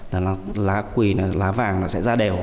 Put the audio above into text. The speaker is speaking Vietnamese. là lá quỳ lá vàng nó sẽ ra đều